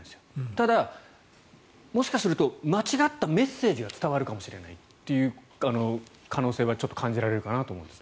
ただ、もしかすると間違ったメッセージが伝わるかもしれないという可能性はちょっと感じられるかなと思います。